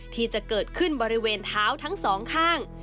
ที่จะเกิดขึ้นบริเวณเท้าทั้งสองข้าง